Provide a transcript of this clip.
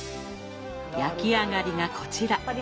焼き上がりがこちら。